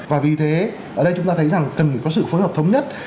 và vì thế ở đây chúng ta thấy rằng cần phải có sự phối hợp thống nhất